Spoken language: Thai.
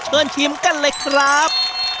ชิมกันเลยครับ